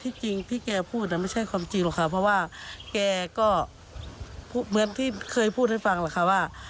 จริงที่แกพูดไม่ใช่ความจริงหรอกค่ะเพราะว่าแกก็เหมือนที่เคยพูดให้ฟังแหละค่ะว่า